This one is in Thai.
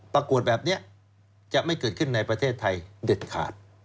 ประกวดแบบนี้จะไม่เกิดขึ้นในประเทศไทยเด็ดขาด